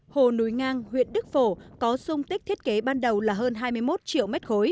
hồ núi ngang huyện đức phổ có dung tích thiết kế ban đầu là hơn hai mươi một triệu m ba